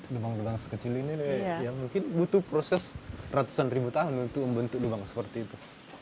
lubang lubang sekecil ini ya mungkin butuh proses ratusan ribu tahun untuk membentuk lubang seperti itu